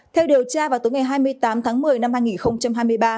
theo điều tra vào tối ngày hai mươi tám tháng một mươi năm hai nghìn hai mươi ba